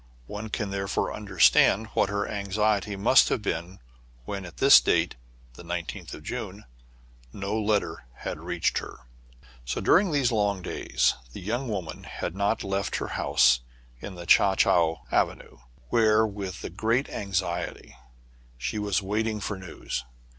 One can therefore understand what her anxiety must have been, when at this date, the 19th of June, no letter had reached her. So, during these long days, the young womaji had not left her house in Cha Coua Avenue, where, with the greatest anxiety, she was waiting for news.